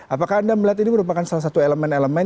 apakah anda melihat ini merupakan salah satu elemen elemen